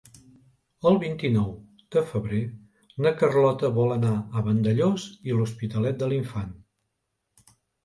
El vint-i-nou de febrer na Carlota vol anar a Vandellòs i l'Hospitalet de l'Infant.